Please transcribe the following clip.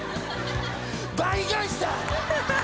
倍返しだ！